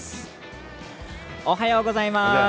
おはようございます。